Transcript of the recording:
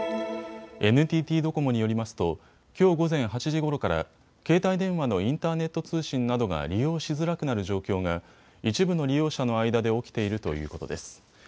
ＮＴＴドコモによりますときょう午前８時ごろから携帯電話のインターネット通信などが利用しづらくなる状況が一部の利用者の間で起きているということです。